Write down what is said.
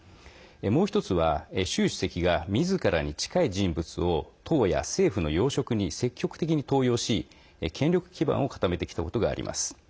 もう１つは、習主席がみずからに近い人物を党や政府の要職に積極的に登用し権力基盤を固めてきたことがあります。